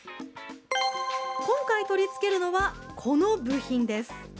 今回取り付けるのはこの部品です。